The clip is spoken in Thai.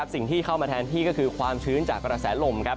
สิ่งที่เข้ามาแทนที่ก็คือความชื้นจากกระแสลม